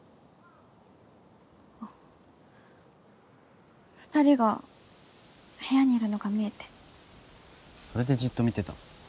あっ２人が部屋にいるのが見えてそれでじっと見てたの？